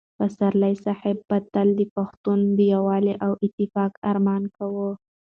پسرلي صاحب به تل د پښتنو د یووالي او اتفاق ارمان کاوه.